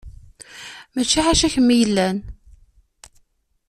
Mačči ḥaca kemm i yellan.